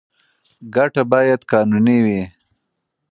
ګټه باید قانوني وي.